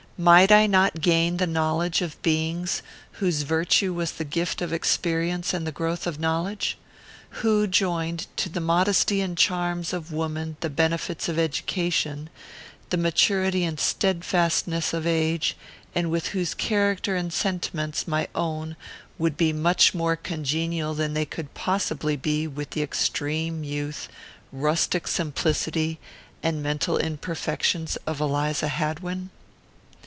Might I not gain the knowledge of beings whose virtue was the gift of experience and the growth of knowledge? who joined to the modesty and charms of woman the benefits of education, the maturity and steadfastness of age, and with whose character and sentiments my own would be much more congenial than they could possibly be with the extreme youth, rustic simplicity, and mental imperfections of Eliza Hadwin?